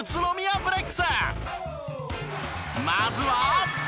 まずは。